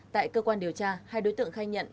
tại cơ quan điều tra hai đối tượng khai nhận